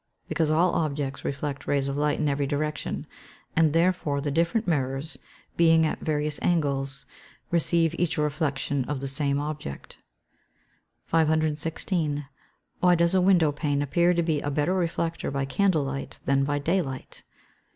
_ Because all objects reflect rays of light in every direction, and therefore the different mirrors, being at various angles, receive each a reflection of the same object. 516. _Why does a window pane appear to be a better reflector by candle light than by day light?